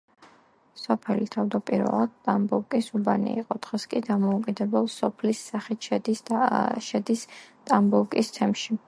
სოფელი თავდაპირველად ტამბოვკის უბანი იყო, დღეს კი დამოუკიდებელ სოფლის სახით შედის ტამბოვკის თემში.